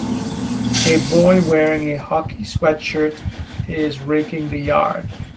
A boy wearing a hockey sweatshirt is raking the yard.